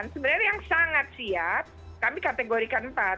sebenarnya yang sangat siap kami kategorikan empat